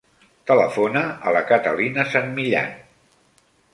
Telefona a la Catalina San Millan.